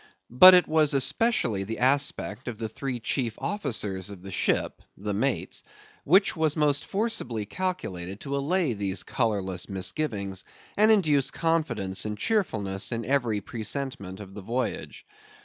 But it was especially the aspect of the three chief officers of the ship, the mates, which was most forcibly calculated to allay these colourless misgivings, and induce confidence and cheerfulness in every presentment of the voyage.